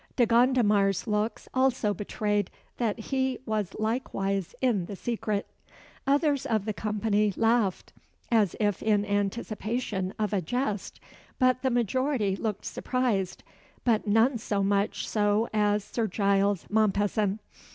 De Gondomar's looks also betrayed that he was likewise in the secret. Others of the company laughed as if in anticipation of a jest; but the majority looked surprised but none so much so as Sir Giles Mompesson.